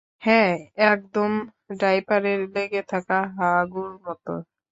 হ্যাঁ, একদম ডাইপারের লেগে থাকা হাগুর মত।